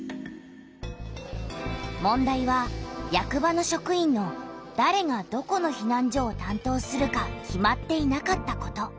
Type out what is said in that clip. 問題は役場の職員のだれがどこのひなん所をたんとうするか決まっていなかったこと。